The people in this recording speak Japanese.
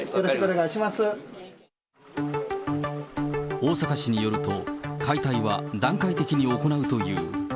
大阪市によると、解体は段階的に行うという。